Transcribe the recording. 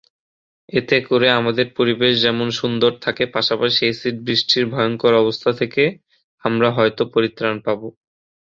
এতে করে আমাদের পরিবেশ যেমন সুন্দর থাকে পাশাপাশি এসিড বৃষ্টির ভয়ংকর অবস্থা থেকে আমরা হয়ত পরিত্রাণ পাব।